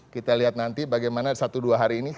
kita lihat nanti bagaimana satu dua hari ini